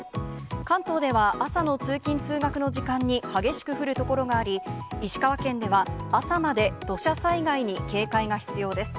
関東では、朝の通勤・通学の時間に激しく降る所があり、石川県では、朝まで土砂災害に警戒が必要です。